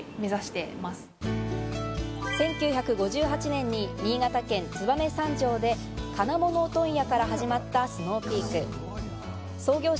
１９５８年に新潟県燕三条で金物問屋から始まったスノーピーク。